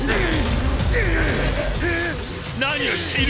何をしている！？